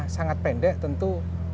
sangat pendek tentu